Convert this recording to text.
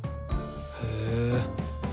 へえ。